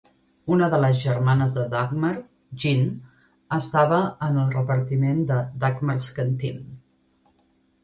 Una de les germanes de Dagmar, Jean, estava en el repartiment de "Dagmar's Canteen".